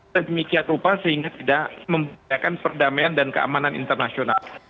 dan demikian rupa sehingga tidak memperlepaskan perdamaian dan keamanan internasional